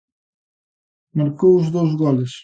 Marcou os dous goles.